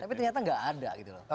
tapi ternyata nggak ada gitu loh